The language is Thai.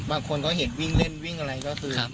บางคนก็เห็นวิ่งเล่นวิ่งอะไรก็คือ